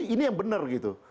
ini yang benar gitu